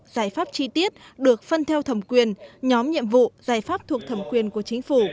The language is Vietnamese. giải pháp chi tiết được phân theo thẩm quyền nhóm nhiệm vụ giải pháp thuộc thẩm quyền của chính phủ